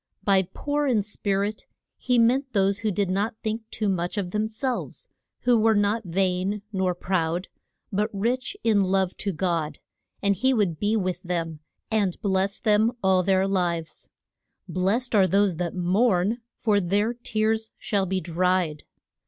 By poor in spirit he meant those who did not think too much of them selves, who were not vain nor proud, but rich in love to God. And he would be with them, and bless them all their lives. Blest are those that mourn, for their tears shall be dried.